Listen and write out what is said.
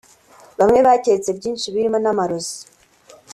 Bamwe baketse byinshi birimo n’amarozi